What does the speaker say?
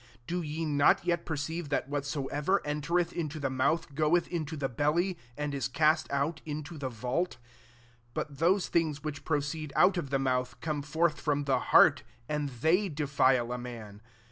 do ye not yet perceive that whatsoever enter eth into the mouth goeth into the belly, and is cast out into the vauh? 18 But those things which proceed out of the mouth come forth from the heart; and they defile a man.